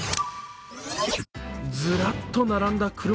ずらっと並んだ車。